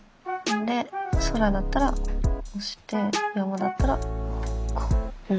で空だったらこうして山だったらこう。